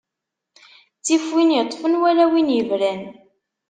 Ttif win iṭṭfen, wala win ibran.